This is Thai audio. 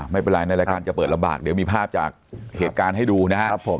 ไม่เป็นไรในรายการจะเปิดลำบากเดี๋ยวมีภาพจากเหตุการณ์ให้ดูนะครับผม